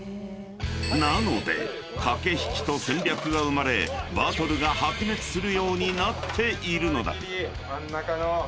［なので駆け引きと戦略が生まれバトルが白熱するようになっているのだ］